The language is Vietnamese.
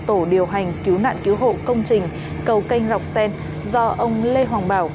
tổ điều hành cứu nạn cứu hộ công trình cầu canh ngọc sen do ông lê hoàng bảo